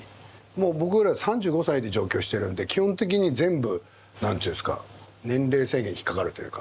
もう僕ら３５歳で上京してるんで基本的に全部何て言うんですか年齢制限に引っ掛かるというか。